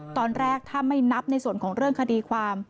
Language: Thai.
ตอนแรกถ้าไม่นับในส่วนของเรื่องคดีความ